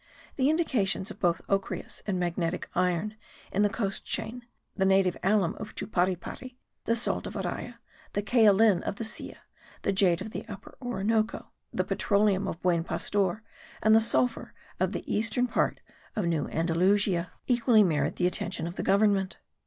The indications of both ochreous and magnetic iron in the coast chain, the native alum of Chuparipari, the salt of Araya, the kaolin of the Silla, the jade of the Upper Orinoco, the petroleum of Buen Pastor and the sulphur of the eastern part of New Andalusia equally merit the attention of the government.